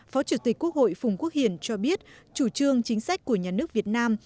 phó chủ tịch quốc hội phùng quốc hiển cho biết chủ trương chính sách của nhà nước việt nam